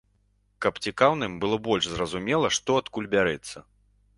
Каб цікаўным было больш зразумела, што адкуль бярэцца.